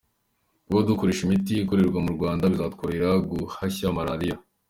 Kuba dukoresha imiti ikorerwa mu Rwanda bizatworohera guhashya malariya”.